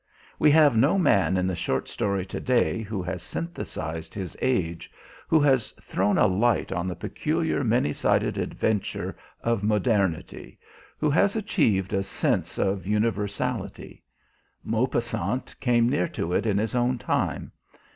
We have no man in the short story today who has synthesized his age, who has thrown a light on the peculiar many sided adventure of modernity, who has achieved a sense of universality. Maupassant came near to it in his own time.